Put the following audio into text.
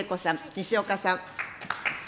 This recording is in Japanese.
西岡さん。